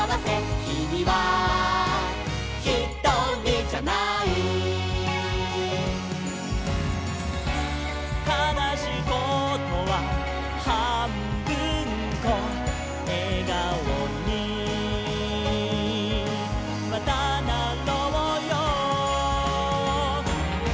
「きみはひとりじゃない」「かなしいことははんぶんこ」「笑顔にまたなろうよー」